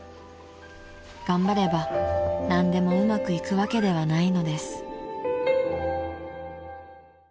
［頑張れば何でもうまくいくわけではないのです］